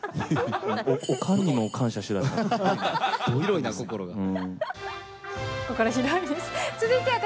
おかんにも感謝しだした。